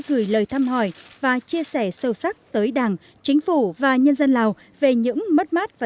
gửi lời thăm hỏi và chia sẻ sâu sắc tới đảng chính phủ và nhân dân lào về những mất mát và